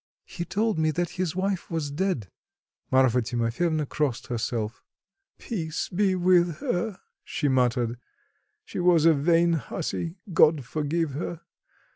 "He told me that his wife was dead." Marfa Timofyevna crossed herself. "Peace be with her," she muttered; "she was a vain hussy, God forgive her.